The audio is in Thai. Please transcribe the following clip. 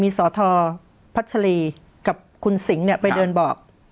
มีสอทพัชรีกับคุณสิงห์ไปเดินบอก